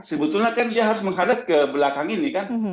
sebetulnya kan dia harus menghadap ke belakang ini kan